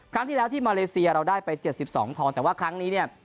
ครั้งที่แล้วที่มาเลเซียเราได้ไป๗๒ทองแต่ว่าครั้งนี้เนี่ย